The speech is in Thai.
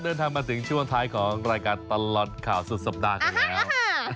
เดินทางมาถึงช่วงท้ายของรายการตลอดข่าวสุดสัปดาห์กันแล้ว